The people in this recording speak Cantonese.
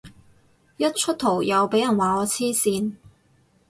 一出圖又俾人話我黐線